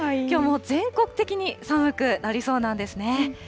きょうも全国的に寒くなりそうなんですね。